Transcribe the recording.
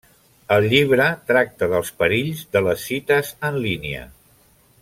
El llibre tracta dels perills de les cites en línia.